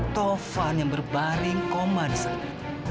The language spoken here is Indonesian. tovan yang berbaring koma di sana